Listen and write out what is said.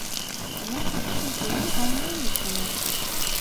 Demek istediğimi anlıyor musunuz?